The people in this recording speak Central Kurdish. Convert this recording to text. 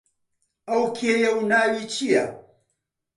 ئەو کێیە و ناوی چییە؟